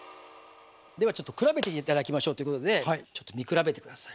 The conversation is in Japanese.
ではちょっと比べて頂きましょうっていうことでねちょっと見比べて下さい。